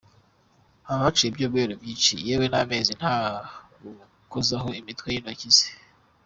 Haba haciye ibyumweru byinshi, yewe n’amezi, nta kugukozaho imitwe y’intoki ze ?